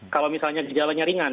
kalau misalnya gejalanya ringan